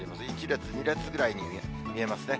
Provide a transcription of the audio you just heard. １列、２列ぐらいに見えますね。